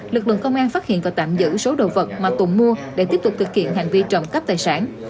lực lượng công an phát hiện và tạm giữ số đồ vật mà tùng mua để tiếp tục thực hiện hành vi trộm cắp tài sản